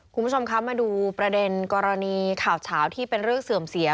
คุณผู้ชมคะมาดูประเด็นกรณีข่าวเฉาที่เป็นเรื่องเสื่อมเสีย